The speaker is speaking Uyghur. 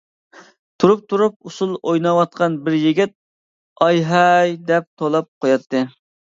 تۇرۇپ-تۇرۇپ ئۇسۇل ئويناۋاتقان بىر يىگىت «ئايھاي! » دەپ توۋلاپ قۇياتتى.